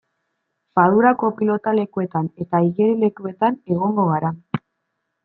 Fadurako pilotalekuetan eta igerilekuetan egongo gara.